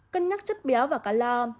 cân nhắc chất béo và calor